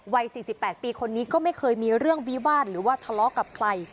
วัย๔๘ปีคนนี้ก็ไม่เคยมีเรื่องวิวาสหรือว่าทะเลาะกับใคร